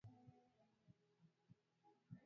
umoja wa wilaya hii leo umezidua mradi mkubwa wa nishati